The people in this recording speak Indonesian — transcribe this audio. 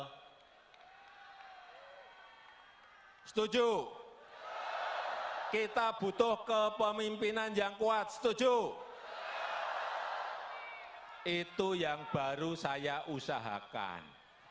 hai setuju kita butuh kepemimpinan yang kuat setuju itu yang baru saya usahakan